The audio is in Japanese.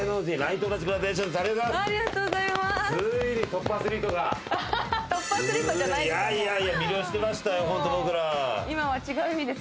トップアスリートじゃないです